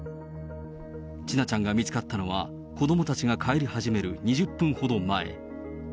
千奈ちゃんが見つかったのは、子どもたちが帰り始める２０分ほど前。